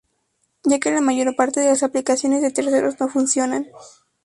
Ya que la mayor parte de las aplicaciones de terceros no funcionan.